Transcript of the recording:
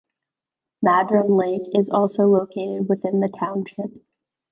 Madron Lake is also located within the township.